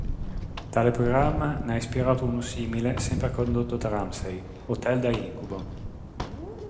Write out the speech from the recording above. Tale programma ne ha ispirato uno simile sempre condotto da Ramsay, "Hotel da incubo".